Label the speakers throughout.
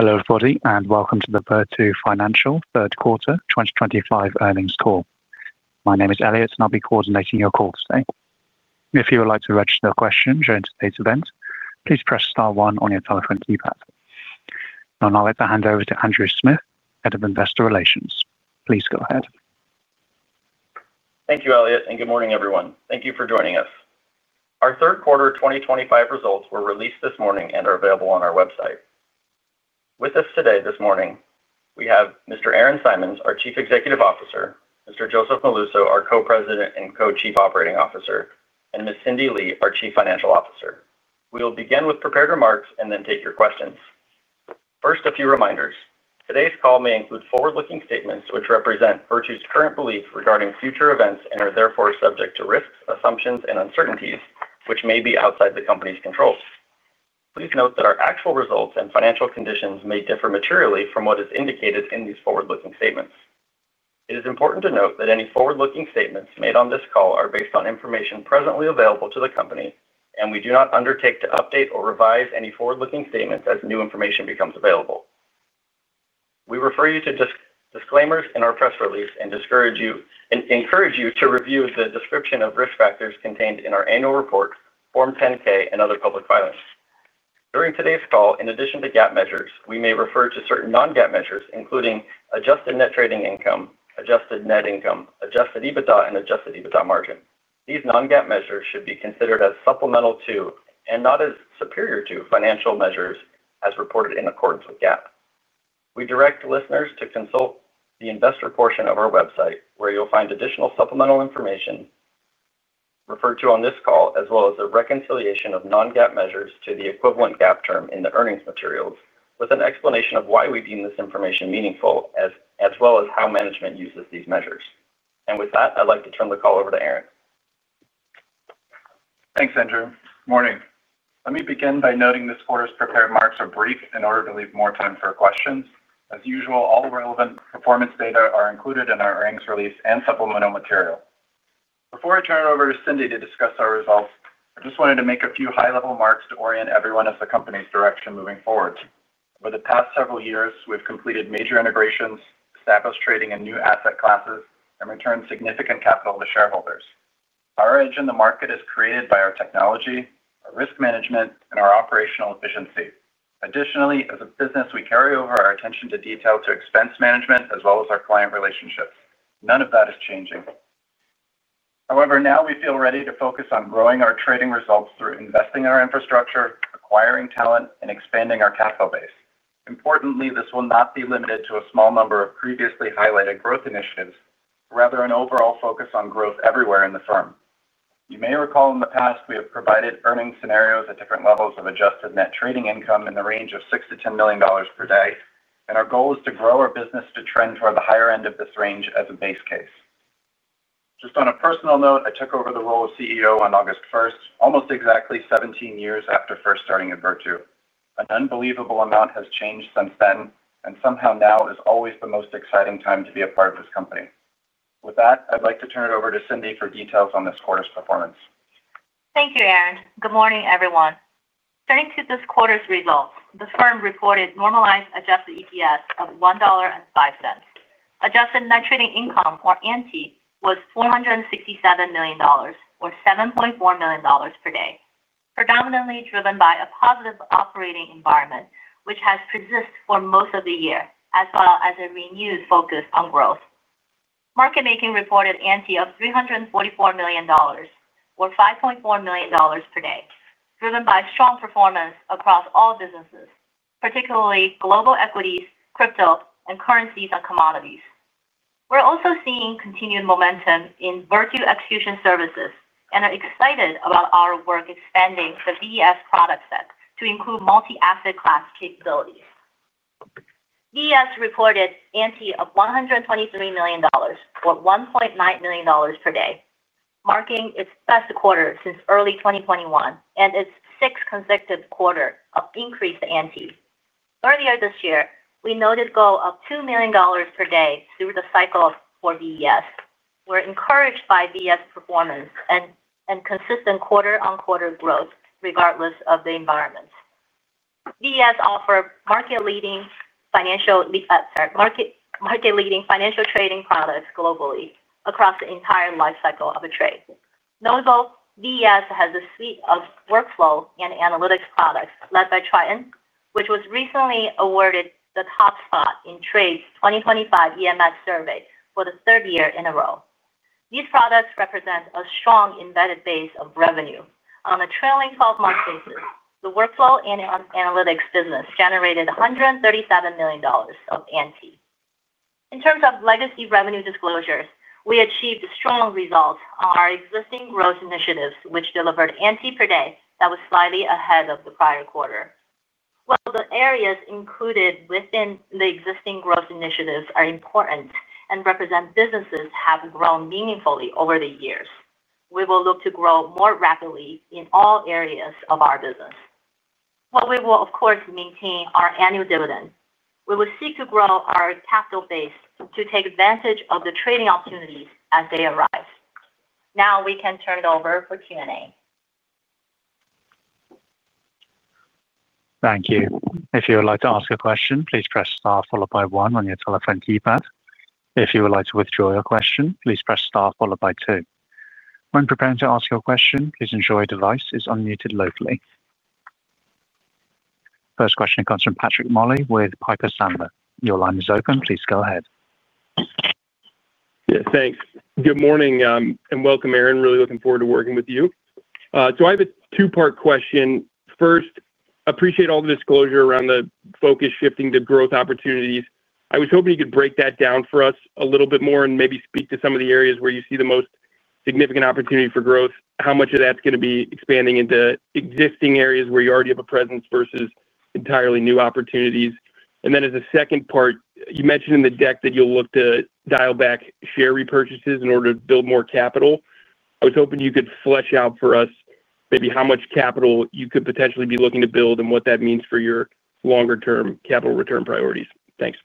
Speaker 1: Hello everybody, and welcome to the Virtu Financial third quarter 2025 earnings call. My name is Elliot, and I'll be coordinating your call today. If you would like to register a question during today's event, please press star one on your telephone keypad. Now, I'll hand over to Andrew Smith, Head of Investor Relations. Please go ahead.
Speaker 2: Thank you, Elliot, and good morning everyone. Thank you for joining us. Our third quarter 2025 results were released this morning and are available on our website. With us today this morning, we have Mr. Aaron Simon, our Chief Executive Officer, Mr. Joseph Molluso, our Co-President and Co-Chief Operating Officer, and Ms. Cindy Lee, our Chief Financial Officer. We'll begin with prepared remarks and then take your questions. First, a few reminders. Today's call may include forward-looking statements which represent Virtu Financial's current belief regarding future events and are therefore subject to risks, assumptions, and uncertainties which may be outside the company's control. Please note that our actual results and financial conditions may differ materially from what is indicated in these forward-looking statements. It is important to note that any forward-looking statements made on this call are based on information presently available to the company, and we do not undertake to update or revise any forward-looking statements as new information becomes available. We refer you to disclaimers in our press release and encourage you to review the description of risk factors contained in our annual report, Form 10-K, and other public filings. During today's call, in addition to GAAP measures, we may refer to certain non-GAAP measures including adjusted net trading income, adjusted net income, adjusted EBITDA, and adjusted EBITDA margin. These non-GAAP measures should be considered as supplemental to and not as superior to financial measures as reported in accordance with GAAP. We direct listeners to consult the investor portion of our website where you'll find additional supplemental information referred to on this call, as well as a reconciliation of non-GAAP measures to the equivalent GAAP term in the earnings materials, with an explanation of why we deem this information meaningful, as well as how management uses these measures. With that, I'd like to turn the call over to Aaron.
Speaker 3: Thanks, Andrew. Good morning. Let me begin by noting this quarter's prepared marks are brief in order to leave more time for questions. As usual, all relevant performance data are included in our earnings release and supplemental material. Before I turn it over to Cindy to discuss our results, I just wanted to make a few high-level marks to orient everyone as the company's direction moving forward. Over the past several years, we've completed major integrations, established trading in new asset classes, and returned significant capital to shareholders. Our edge in the market is created by our technology, our risk management, and our operational efficiency. Additionally, as a business, we carry over our attention to detail to expense management, as well as our client relationships. None of that is changing. However, now we feel ready to focus on growing our trading results through investing in our infrastructure, acquiring talent, and expanding our capital base. Importantly, this will not be limited to a small number of previously highlighted growth initiatives, rather an overall focus on growth everywhere in the firm. You may recall in the past we have provided earning scenarios at different levels of adjusted net trading income in the range of $6 million-$10 million per day, and our goal is to grow our business to trend toward the higher end of this range as a base case. Just on a personal note, I took over the role of CEO on August 1st, almost exactly 17 years after first starting at Virtu. An unbelievable amount has changed since then, and somehow now is always the most exciting time to be a part of this company. With that, I'd like to turn it over to Cindy for details on this quarter's performance.
Speaker 4: Thank you, Aaron. Good morning, everyone. Turning to this quarter's results, the firm reported normalized adjusted EPS of $1.05. Adjusted net trading income, or ANTI, was $467 million, or $7.4 million per day, predominantly driven by a positive operating environment, which has persisted for most of the year, as well as a renewed focus on growth. Market making reported ANTI of $344 million, or $5.4 million per day, driven by strong performance across all businesses, particularly global equities, crypto, and currencies and commodities. We're also seeing continued momentum in Virtu Execution Services and are excited about our work expanding the VES product set to include multi-asset class capabilities. VES reported ANTI of $123 million, or $1.9 million per day, marking its best quarter since early 2021 and its sixth consecutive quarter of increased ANTI. Earlier this year, we noted a goal of $2 million per day through the cycle for VES. We're encouraged by VES performance and consistent quarter-on-quarter growth regardless of the environments. VES offers market-leading financial trading products globally across the entire lifecycle of a trade. Notably, VES has a suite of workflow and analytics products led by Tryon, which was recently awarded the top spot in The Trade's 2025 EMS survey for the third year in a row. These products represent a strong embedded base of revenue. On a trailing 12-month basis, the workflow and analytics business generated $137 million of ANTI. In terms of legacy revenue disclosures, we achieved strong results on our existing growth initiatives, which delivered ANTI per day that was slightly ahead of the prior quarter. While the areas included within the existing growth initiatives are important and represent businesses that have grown meaningfully over the years, we will look to grow more rapidly in all areas of our business. While we will, of course, maintain our annual dividend, we will seek to grow our capital base to take advantage of the trading opportunities as they arise. Now we can turn it over for Q&A.
Speaker 1: Thank you. If you would like to ask a question, please press star followed by one on your telephone keypad. If you would like to withdraw your question, please press star followed by two. When preparing to ask your question, please ensure your device is unmuted locally. First question comes from Patrick Moley with Piper Sandler. Your line is open. Please go ahead.
Speaker 5: Yeah, thanks. Good morning and welcome, Aaron. Really looking forward to working with you. I have a two-part question. First, I appreciate all the disclosure around the focus shifting to growth opportunities. I was hoping you could break that down for us a little bit more and maybe speak to some of the areas where you see the most significant opportunity for growth, how much of that's going to be expanding into existing areas where you already have a presence versus entirely new opportunities. As a second part, you mentioned in the deck that you'll look to dial back share repurchases in order to build more capital. I was hoping you could flesh out for us maybe how much capital you could potentially be looking to build and what that means for your longer-term capital return priorities. Thanks.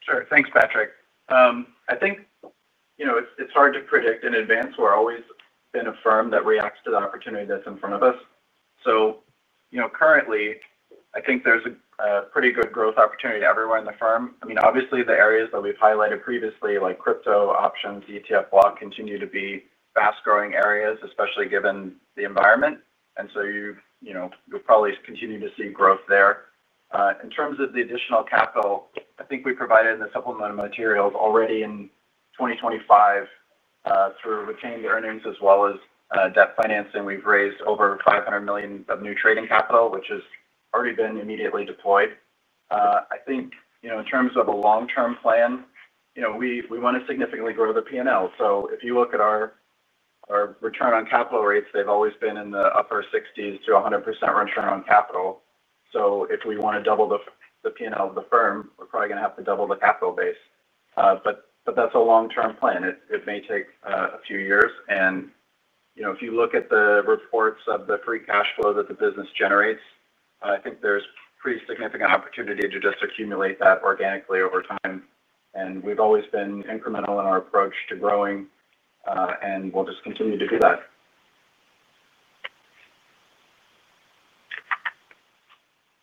Speaker 3: Sure. Thanks, Patrick. I think it's hard to predict in advance. We've always been a firm that reacts to the opportunity that's in front of us. Currently, I think there's a pretty good growth opportunity everywhere in the firm. Obviously, the areas that we've highlighted previously, like crypto options and ETF block, continue to be fast-growing areas, especially given the environment. You'll probably continue to see growth there. In terms of the additional capital, I think we provided in the supplemental materials already in 2025, through retained earnings as well as debt financing. We've raised over $500 million of new trading capital, which has already been immediately deployed. In terms of a long-term plan, we want to significantly grow the P&L. If you look at our return on capital rates, they've always been in the upper 60%-100% return on capital. If we want to double the P&L of the firm, we're probably going to have to double the capital base. That's a long-term plan. It may take a few years. If you look at the reports of the free cash flow that the business generates, I think there's pretty significant opportunity to just accumulate that organically over time. We've always been incremental in our approach to growing, and we'll just continue to do that.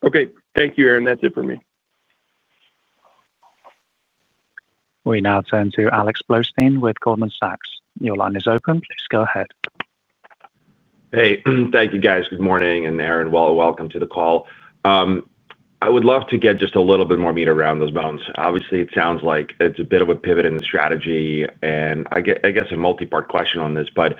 Speaker 5: Okay. Thank you, Aaron. That's it for me.
Speaker 1: We now turn to Alex Blostein with Goldman Sachs. Your line is open. Please go ahead.
Speaker 6: Hey, thank you, guys. Good morning and Aaron Simon. Welcome to the call. I would love to get just a little bit more meat around those bones. Obviously, it sounds like it's a bit of a pivot in the strategy. I guess a multi-part question on this, but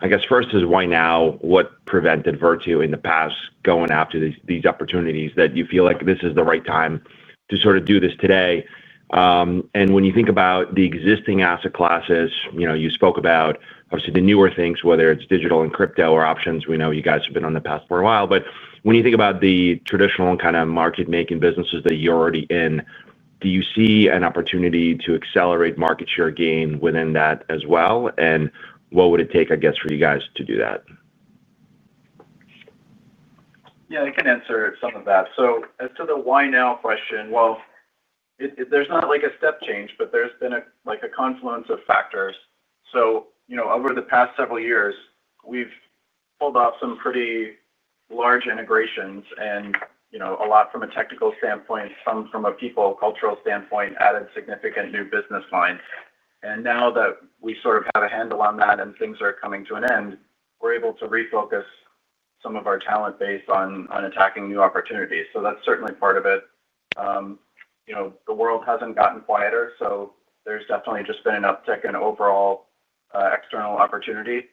Speaker 6: I guess first is why now? What prevented Virtu Financial in the past going after these opportunities that you feel like this is the right time to sort of do this today? When you think about the existing asset classes, you know, you spoke about obviously the newer things, whether it's digital and crypto or options. We know you guys have been on the path for a while. When you think about the traditional kind of market-making businesses that you're already in, do you see an opportunity to accelerate market share gain within that as well? What would it take, I guess, for you guys to do that?
Speaker 3: Yeah, I can answer some of that. As to the why now question, there's not like a step change, but there's been a confluence of factors. Over the past several years, we've pulled off some pretty large integrations, a lot from a technical standpoint, some from a people cultural standpoint, added significant new business lines. Now that we sort of have a handle on that and things are coming to an end, we're able to refocus some of our talent base on attacking new opportunities. That's certainly part of it. The world hasn't gotten quieter. There's definitely just been an uptick in overall external opportunity.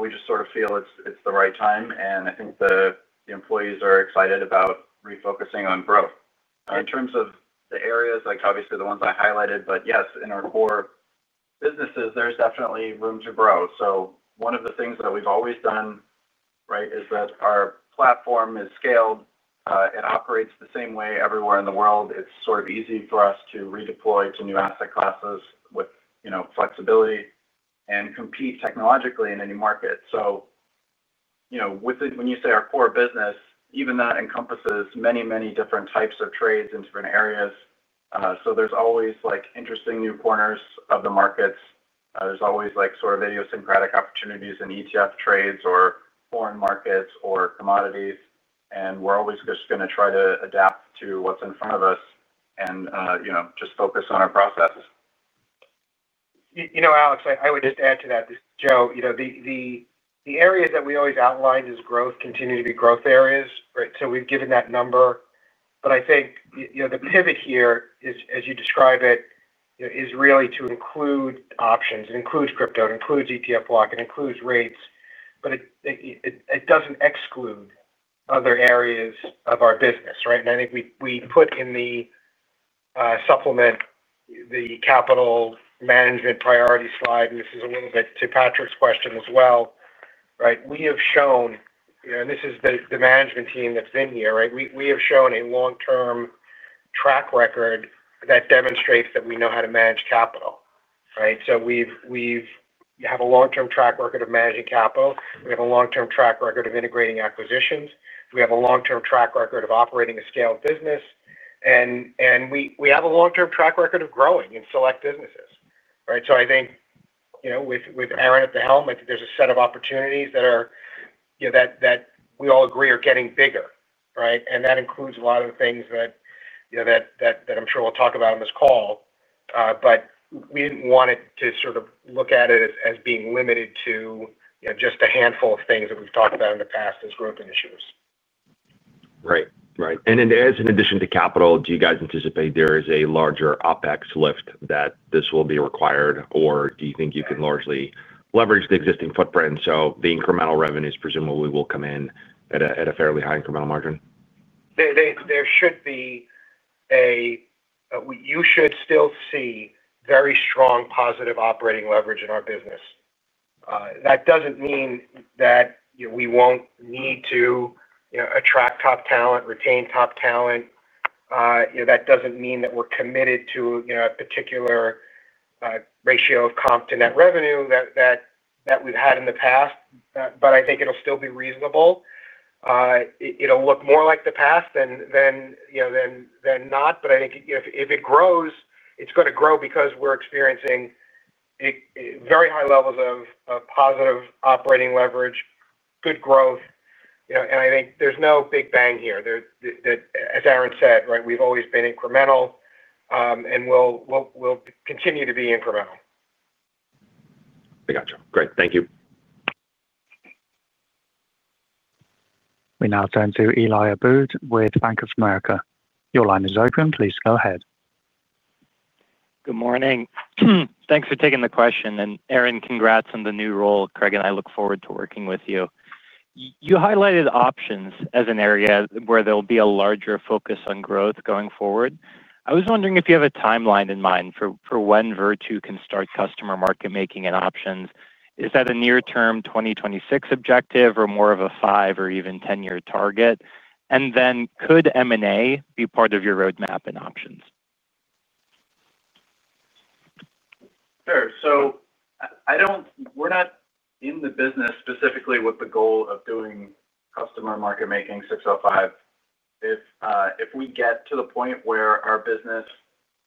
Speaker 3: We just sort of feel it's the right time. I think the employees are excited about refocusing on growth. In terms of the areas, obviously the ones I highlighted, but yes, in our core businesses, there's definitely room to grow. One of the things that we've always done right is that our platform is scaled. It operates the same way everywhere in the world. It's sort of easy for us to redeploy to new asset classes with flexibility and compete technologically in any market. When you say our core business, even that encompasses many different types of trades in different areas. There's always interesting new corners of the markets. There's always sort of idiosyncratic opportunities in ETF trades or foreign markets or commodities. We're always just going to try to adapt to what's in front of us and just focus on our process.
Speaker 7: You know, Alex, I would just add to that. This is Joe. The areas that we always outlined as growth continue to be growth areas, right? We've given that number. I think the pivot here is, as you describe it, is really to include options. It includes cryptocurrency. It includes ETF block trading. It includes rates. It doesn't exclude other areas of our business, right? I think we put in the supplement the capital management priority slide, and this is a little bit to Patrick's question as well, right? We have shown, and this is the management team that's been here, right? We have shown a long-term track record that demonstrates that we know how to manage capital, right? We have a long-term track record of managing capital. We have a long-term track record of integrating acquisitions. We have a long-term track record of operating a scaled business. We have a long-term track record of growing in select businesses, right? I think with Aaron at the helm, I think there's a set of opportunities that are, you know, that we all agree are getting bigger, right? That includes a lot of the things that I'm sure we'll talk about on this call. We didn't want it to sort of look at it as being limited to just a handful of things that we've talked about in the past as growth initiatives.
Speaker 6: Right. As an addition to capital, do you guys anticipate there is a larger OpEx lift that this will be required, or do you think you can largely leverage the existing footprint? The incremental revenues presumably will come in at a fairly high incremental margin?
Speaker 7: There should be a, you should still see very strong positive operating leverage in our business. That doesn't mean that, you know, we won't need to, you know, attract top talent, retain top talent. You know, that doesn't mean that we're committed to, you know, a particular ratio of comp to net revenue that we've had in the past. I think it'll still be reasonable. It'll look more like the past than not. I think, you know, if it grows, it's going to grow because we're experiencing very high levels of positive operating leverage, good growth. I think there's no big bang here. As Aaron said, right, we've always been incremental, and we'll continue to be incremental.
Speaker 6: I got you. Great. Thank you.
Speaker 1: We now turn to Eli Abboud with Bank of America. Your line is open. Please go ahead.
Speaker 8: Good morning. Thanks for taking the question. Aaron, congrats on the new role. Craig and I look forward to working with you. You highlighted options as an area where there will be a larger focus on growth going forward. I was wondering if you have a timeline in mind for when Virtu Financial can start customer market making in options. Is that a near-term 2026 objective or more of a 5 or even 10-year target? Could M&A be part of your roadmap in options?
Speaker 3: I don't think we're in the business specifically with the goal of doing customer market making 605. If we get to the point where our business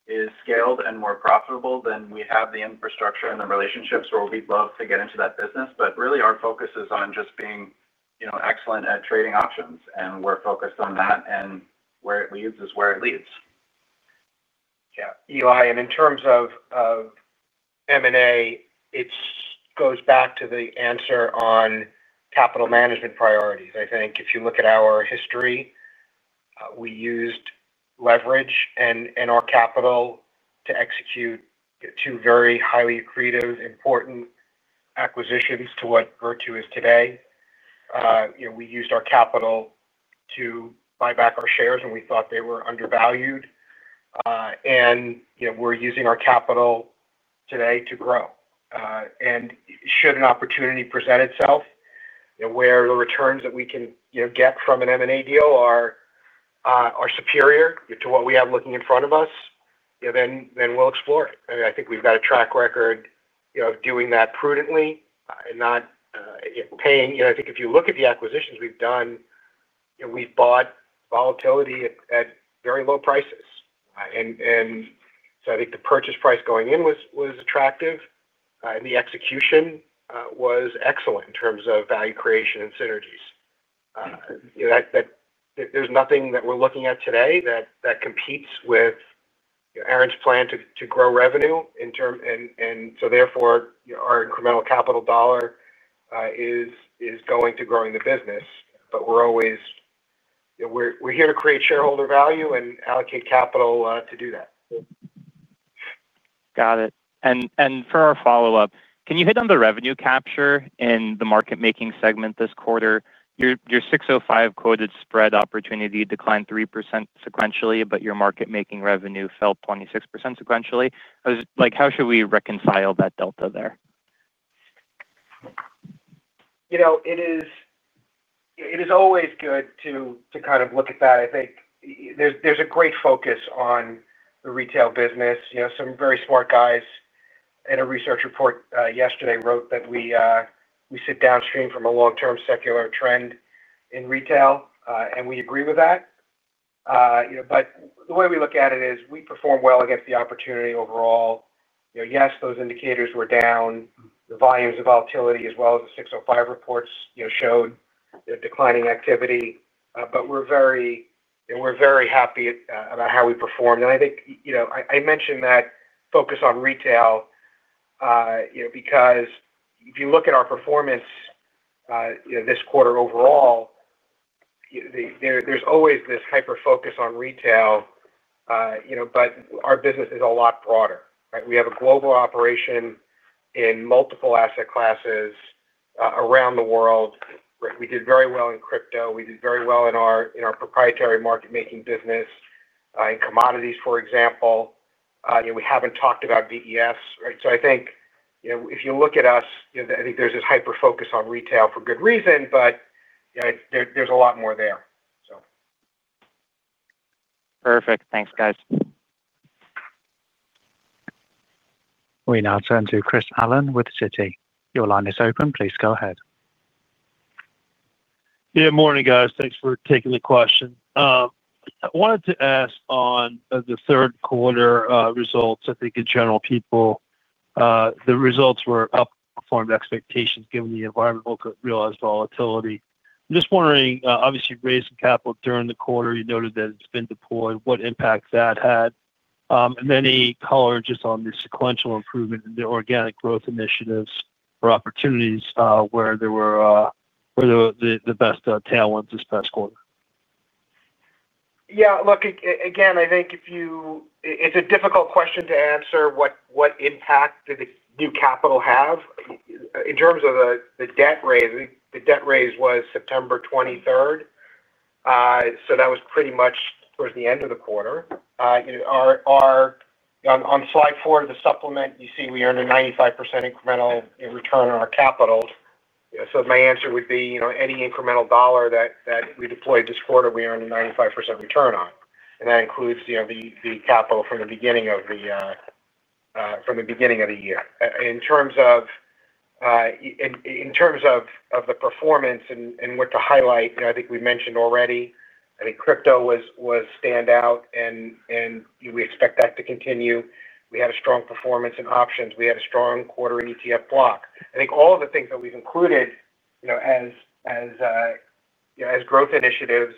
Speaker 3: is scaled and more profitable, then we have the infrastructure and the relationships where we'd love to get into that business. Really, our focus is on just being, you know, excellent at trading options. We're focused on that, and where it leads is where it leads.
Speaker 7: Yeah. Eli, in terms of M&A, it goes back to the answer on capital management priorities. I think if you look at our history, we used leverage and our capital to execute two very highly accretive, important acquisitions to what Virtu Financial is today. We used our capital to buy back our shares when we thought they were undervalued. We're using our capital today to grow. Should an opportunity present itself where the returns that we can get from an M&A deal are superior to what we have looking in front of us, then we'll explore it. I think we've got a track record of doing that prudently and not paying. I think if you look at the acquisitions we've done, we've bought volatility at very low prices. I think the purchase price going in was attractive. The execution was excellent in terms of value creation and synergies. There's nothing that we're looking at today that competes with Aaron's plan to grow revenue. Therefore, our incremental capital dollar is going to growing the business. We're always here to create shareholder value and allocate capital to do that.
Speaker 8: Got it. For our follow-up, can you hit on the revenue capture in the market making segment this quarter? Your 605 quoted spread opportunity declined 3% sequentially, but your market making revenue fell 26% sequentially. I was like, how should we reconcile that delta there?
Speaker 7: It is always good to kind of look at that. I think there's a great focus on the retail business. Some very smart guys in a research report yesterday wrote that we sit downstream from a long-term secular trend in retail, and we agree with that. The way we look at it is we perform well against the opportunity overall. Yes, those indicators were down. The volumes of volatility, as well as the 605 reports, showed declining activity. We're very happy about how we performed. I think I mentioned that focus on retail because if you look at our performance this quarter overall, there's always this hyper focus on retail, but our business is a lot broader, right? We have a global operation in multiple asset classes around the world. We did very well in crypto. We did very well in our proprietary market making business, in commodities, for example. We haven't talked about Virtu Execution Services, right? I think if you look at us, there's this hyper focus on retail for good reason, but there's a lot more there.
Speaker 8: Perfect. Thanks, guys.
Speaker 1: We now turn to Chris Allen with Citi. Your line is open. Please go ahead.
Speaker 9: Yeah, morning, guys. Thanks for taking the question. I wanted to ask on the third quarter results. I think in general, people, the results were up or form expectations given the environmental realized volatility. I'm just wondering, obviously, raising capital during the quarter, you noted that it's been deployed. What impact that had? Any color just on the sequential improvement in the organic growth initiatives or opportunities, where there were, where the best tailwinds this past quarter?
Speaker 7: Yeah, look, again, I think if you, it's a difficult question to answer what impact did the new capital have? In terms of the debt raise, I think the debt raise was September 23rd, so that was pretty much towards the end of the quarter. You know, on slide four of the supplement, you see we earned a 95% incremental return on our capital. My answer would be, any incremental dollar that we deployed this quarter, we earned a 95% return on. That includes the capital from the beginning of the year. In terms of the performance and what to highlight, I think we mentioned already, I think crypto was standout and we expect that to continue. We had a strong performance in options. We had a strong quarter in ETF block. I think all of the things that we've included as growth initiatives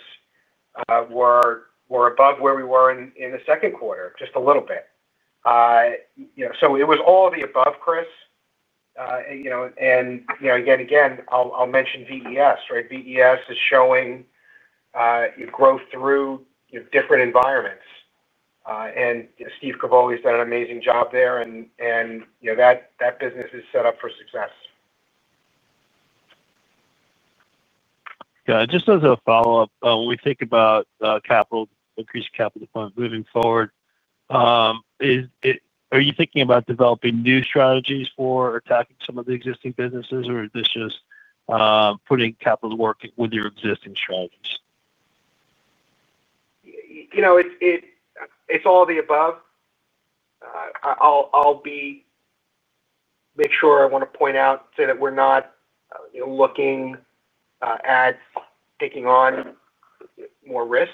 Speaker 7: were above where we were in the second quarter, just a little bit. It was all the above, Chris. Again, I'll mention VES, right? VES is showing you grow through different environments. Steve Cavoli has done an amazing job there, and that business is set up for success.
Speaker 9: Just as a follow-up, when we think about increased capital deployment moving forward, is it, are you thinking about developing new strategies for attacking some of the existing businesses, or is this just putting capital to work with your existing strategies?
Speaker 7: You know, it's all the above. I'll make sure I want to point out, say that we're not looking at taking on more risk.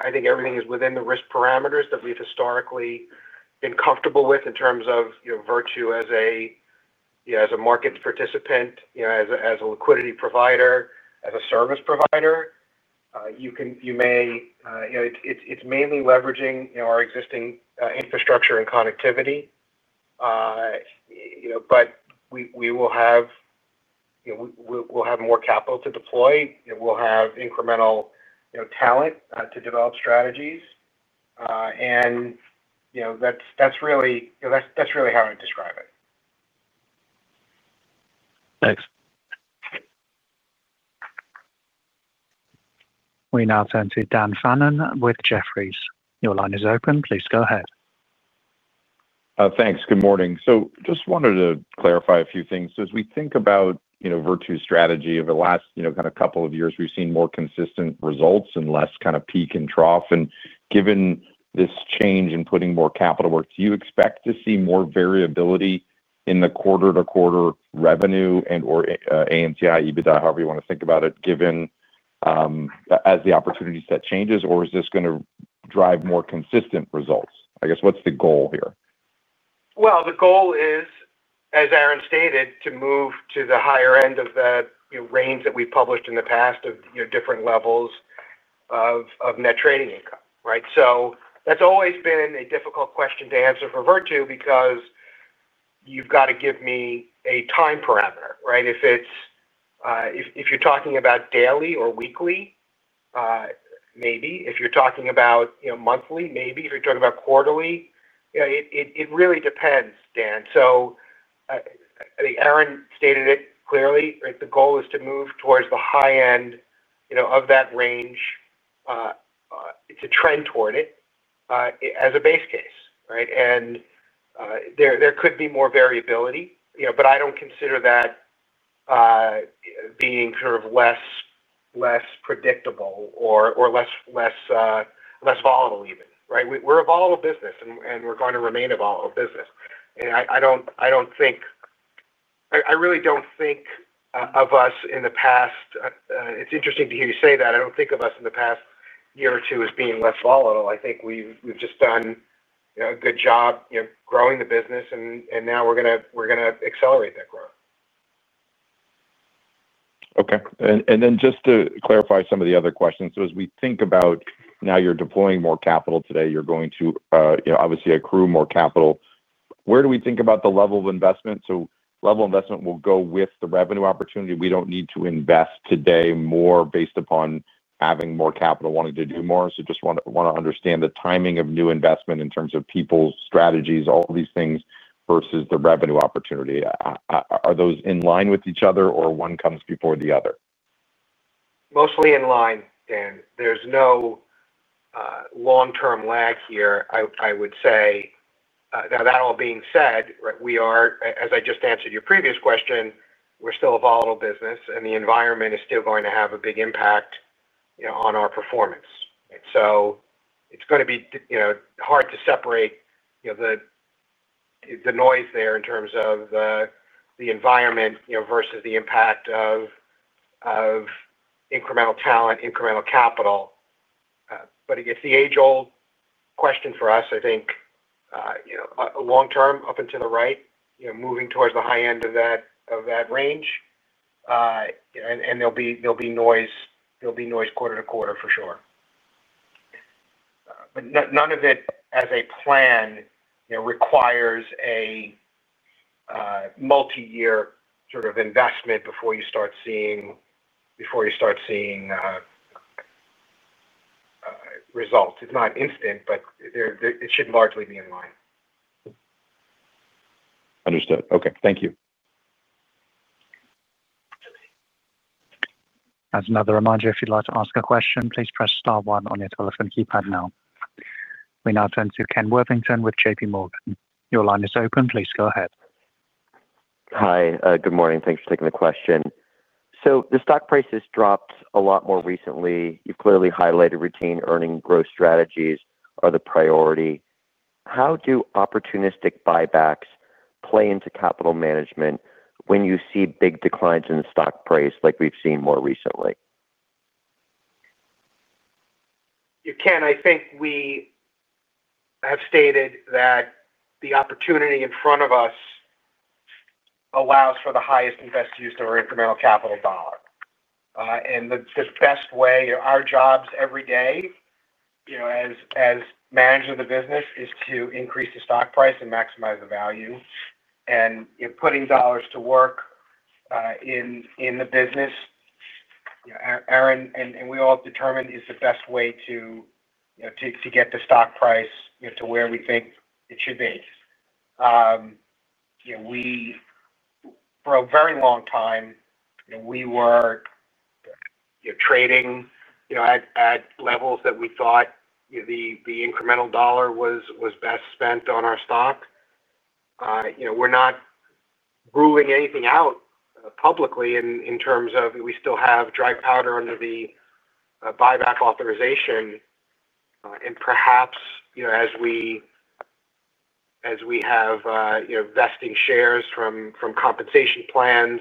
Speaker 7: I think everything is within the risk parameters that we've historically been comfortable with in terms of Virtu Financial as a market participant, as a liquidity provider, as a service provider. You may know it's mainly leveraging our existing infrastructure and connectivity, but we will have more capital to deploy. We'll have incremental talent to develop strategies, and that's really how I'd describe it.
Speaker 9: Thanks.
Speaker 1: We now turn to Dan Fannon with Jefferies. Your line is open. Please go ahead.
Speaker 10: Thanks. Good morning. I just wanted to clarify a few things. As we think about Virtu Financial's strategy over the last couple of years, we've seen more consistent results and less kind of peak and trough. Given this change in putting more capital to work, do you expect to see more variability in the quarter-to-quarter revenue and/or ANTI, EBITDA, however you want to think about it, given as the opportunity set changes, or is this going to drive more consistent results? I guess, what's the goal here?
Speaker 7: The goal is, as Aaron stated, to move to the higher end of the range that we published in the past of different levels of net trading income, right? That's always been a difficult question to answer for Virtu Financial because you've got to give me a time parameter, right? If you're talking about daily or weekly, maybe. If you're talking about monthly, maybe. If you're talking about quarterly, it really depends, Dan. I think Aaron stated it clearly, right? The goal is to move towards the high end of that range. It's a trend toward it, as a base case, right? There could be more variability, but I don't consider that being sort of less predictable or less volatile even, right? We're a volatile business, and we're going to remain a volatile business. I don't think of us in the past. It's interesting to hear you say that. I don't think of us in the past year or two as being less volatile. I think we've just done a good job growing the business, and now we're going to accelerate that growth.
Speaker 10: Okay. Just to clarify some of the other questions. As we think about now you're deploying more capital today, you're going to, you know, obviously accrue more capital. Where do we think about the level of investment? Level of investment will go with the revenue opportunity. We don't need to invest today more based upon having more capital wanting to do more. Just want to understand the timing of new investment in terms of people's strategies, all these things versus the revenue opportunity. Are those in line with each other, or one comes before the other?
Speaker 7: Mostly in line, Dan. There's no long-term lag here, I would say. Now that all being said, as I just answered your previous question, we're still a volatile business, and the environment is still going to have a big impact on our performance. It's going to be hard to separate the noise there in terms of the environment versus the impact of incremental talent, incremental capital. It's the age-old question for us. I think long-term, up and to the right, moving towards the high end of that range. There'll be noise quarter to quarter for sure. None of it, as a plan, requires a multi-year sort of investment before you start seeing results. It's not instant, but it should largely be in line.
Speaker 10: Understood. Okay, thank you.
Speaker 1: As another reminder, if you'd like to ask a question, please press star one on your telephone keypad now. We now turn to Ken Worthington with J.P. Morgan. Your line is open. Please go ahead.
Speaker 11: Hi. Good morning. Thanks for taking the question. The stock price has dropped a lot more recently. You've clearly highlighted routine earning growth strategies are the priority. How do opportunistic buybacks play into capital management when you see big declines in the stock price like we've seen more recently?
Speaker 7: Ken I think we have stated that the opportunity in front of us allows for the highest invested use of our incremental capital dollar. The best way, you know, our jobs every day as managers of the business, is to increase the stock price and maximize the value. You know, putting dollars to work in the business, you know, Aaron, and we all determined is the best way to get the stock price to where we think it should be. For a very long time, we were trading at levels that we thought the incremental dollar was best spent on our stock. We're not ruling anything out publicly in terms of we still have dry powder under the buyback authorization. Perhaps, as we have vesting shares from compensation plans,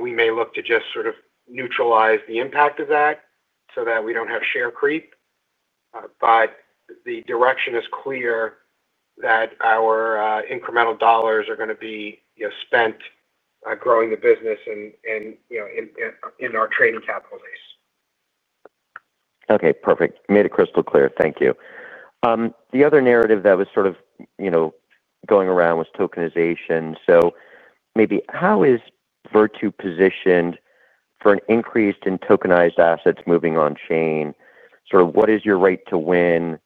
Speaker 7: we may look to just sort of neutralize the impact of that so that we don't have share creep. The direction is clear that our incremental dollars are going to be spent growing the business and in our trading capital base.
Speaker 11: Okay. Perfect. Made it crystal clear. Thank you. The other narrative that was sort of, you know, going around was tokenization. Maybe how is Virtu Financial positioned for an increase in tokenized assets moving on chain? What is your right to win?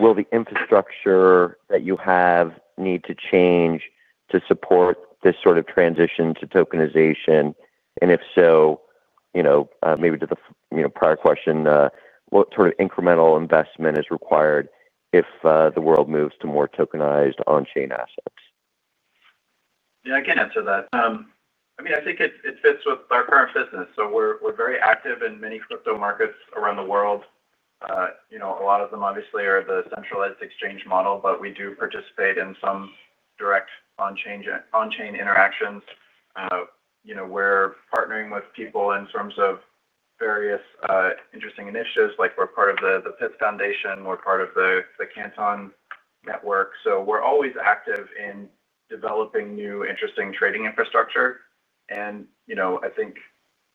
Speaker 11: Will the infrastructure that you have need to change to support this sort of transition to tokenization? If so, maybe to the prior question, what sort of incremental investment is required if the world moves to more tokenized on-chain assets?
Speaker 3: Yeah, I can answer that. I think it fits with our current business. We're very active in many crypto markets around the world. A lot of them obviously are the centralized exchange model, but we do participate in some direct on-chain interactions. We're partnering with people in terms of various interesting initiatives. We're part of the Pitt Foundation. We're part of the Canton Network. We're always active in developing new interesting trading infrastructure. I think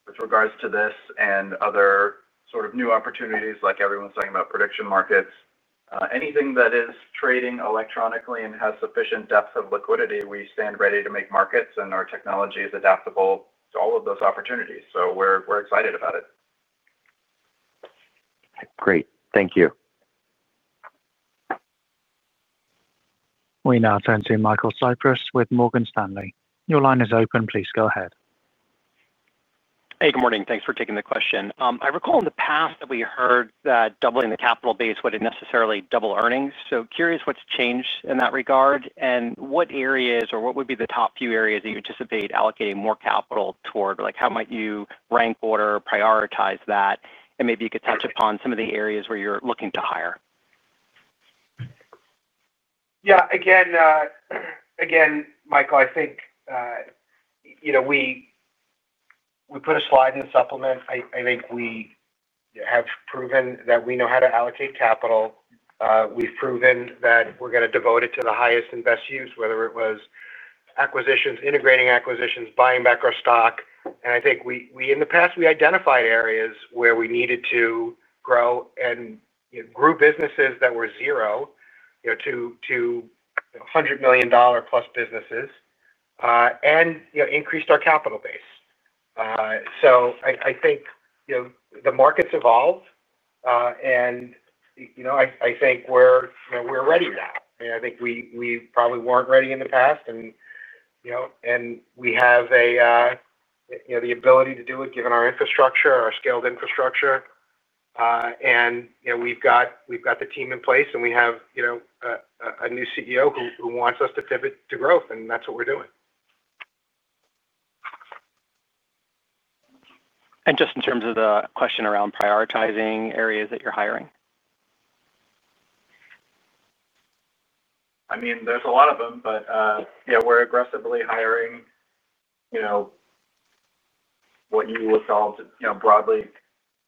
Speaker 3: with regards to this and other sort of new opportunities, like everyone's talking about prediction markets, anything that is trading electronically and has sufficient depth of liquidity, we stand ready to make markets, and our technology is adaptable to all of those opportunities. We're excited about it.
Speaker 11: Great. Thank you.
Speaker 1: We now turn to Michael Cypress with Morgan Stanley. Your line is open. Please go ahead.
Speaker 12: Hey, good morning. Thanks for taking the question. I recall in the past that we heard that doubling the capital base wouldn't necessarily double earnings. Curious what's changed in that regard and what areas or what would be the top few areas that you anticipate allocating more capital toward. How might you rank order or prioritize that? Maybe you could touch upon some of the areas where you're looking to hire.
Speaker 7: Yeah. Again, Michael, I think we put a slide in the supplement. I think we have proven that we know how to allocate capital. We've proven that we're going to devote it to the highest and best use, whether it was acquisitions, integrating acquisitions, buying back our stock. I think in the past, we identified areas where we needed to grow and grew businesses that were zero to $100 million plus businesses, and increased our capital base. I think the markets evolve, and I think we're ready now. I mean, I think we probably weren't ready in the past, and we have the ability to do it given our infrastructure, our scaled infrastructure. We've got the team in place, and we have a new CEO who wants us to pivot to growth, and that's what we're doing.
Speaker 12: In terms of the question around prioritizing areas that you're hiring.
Speaker 3: I mean, there's a lot of them, but yeah, we're aggressively hiring, you know, what you would call, you know, broadly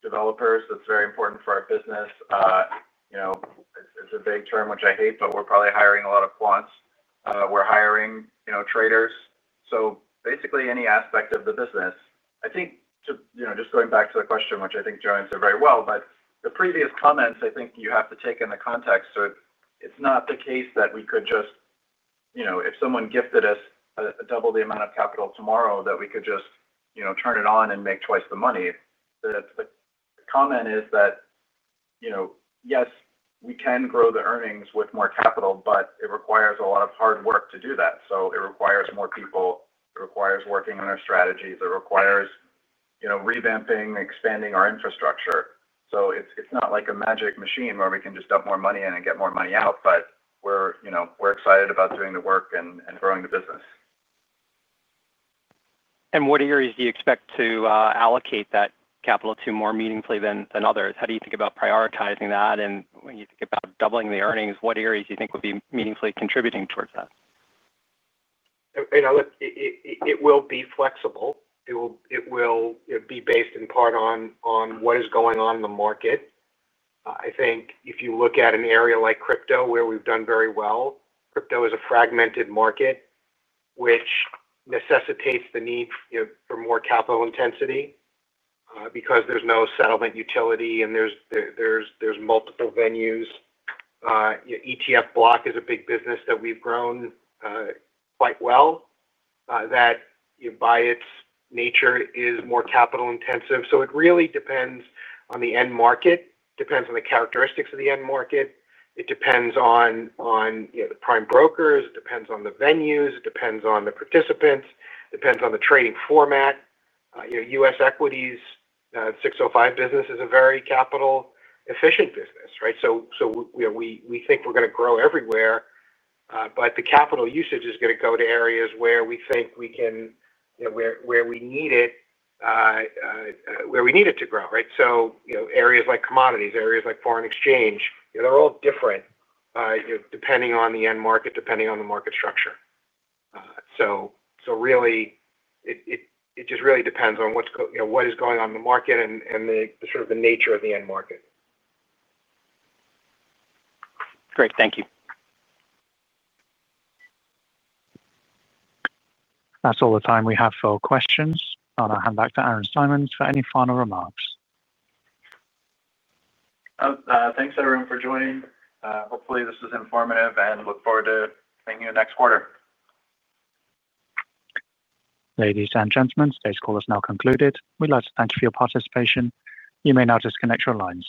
Speaker 3: developers. That's very important for our business. You know, it's a vague term, which I hate, but we're probably hiring a lot of quants. We're hiring, you know, traders. Basically, any aspect of the business. I think, just going back to the question, which I think Joseph Molluso said very well, but the previous comments, I think you have to take in the context. It's not the case that we could just, you know, if someone gifted us double the amount of capital tomorrow, that we could just, you know, turn it on and make twice the money. The comment is that, you know, yes, we can grow the earnings with more capital, but it requires a lot of hard work to do that. It requires more people. It requires working on our strategies. It requires, you know, revamping, expanding our infrastructure. It's not like a magic machine where we can just dump more money in and get more money out. We're excited about doing the work and growing the business.
Speaker 12: What areas do you expect to allocate that capital to more meaningfully than others? How do you think about prioritizing that? When you think about doubling the earnings, what areas do you think would be meaningfully contributing towards that?
Speaker 7: It will be flexible. It will be based in part on what is going on in the market. I think if you look at an area like cryptocurrency, where we've done very well, crypto is a fragmented market, which necessitates the need for more capital intensity because there's no settlement utility and there's multiple venues. ETF block trading is a big business that we've grown quite well. That, by its nature, is more capital intensive. It really depends on the end market. It depends on the characteristics of the end market. It depends on the prime brokers. It depends on the venues. It depends on the participants. It depends on the trading format. U.S. equities, 605 business is a very capital-efficient business, right? We think we're going to grow everywhere, but the capital usage is going to go to areas where we think we can, where we need it, where we need it to grow, right? Areas like commodities, areas like foreign exchange, they're all different, depending on the end market, depending on the market structure. It just really depends on what's going on in the market and the sort of the nature of the end market.
Speaker 12: Great. Thank you.
Speaker 1: That's all the time we have for questions. I'll hand back to Aaron Simon for any final remarks.
Speaker 3: Thanks, everyone, for joining. Hopefully, this was informative and I look forward to seeing you in the next quarter.
Speaker 1: Ladies and gentlemen, today's call is now concluded. We'd like to thank you for your participation. You may now disconnect your lines.